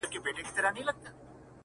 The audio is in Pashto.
د سترگو توره سـتــا بـلا واخلـمـه،